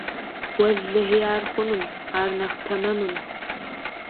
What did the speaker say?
Уэлэхьи ар хъуным, ар нэхъ тэмэмым.